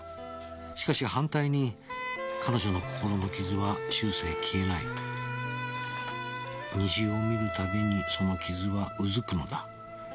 「しかし反対に彼女の心の傷は終生消えない」「虹を見るたびにその傷はうずくのだ」